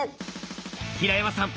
平山さん